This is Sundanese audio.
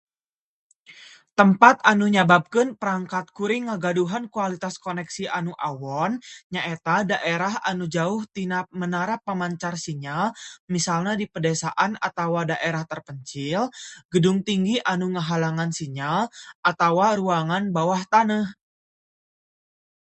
Tempat anu nyababkeun perangkat kuring ngagaduhan kualitas koneksi anu awon nyaeta daerah anu jauh tina menara pamancar sinyal, misalna di pedesaan atawa daerah terpencil, gedung tinggi anu ngahalangan sinyal, atawa ruangan bawah taneuh.